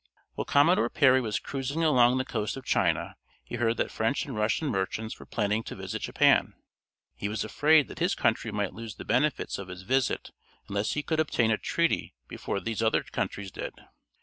While Commodore Perry was cruising along the coast of China he heard that French and Russian merchants were planning to visit Japan. He was afraid that his country might lose the benefits of his visit unless he could obtain a treaty before these other countries did.